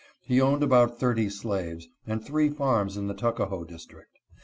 He owned about thirty slaves and three farms in the Tuckahoe district.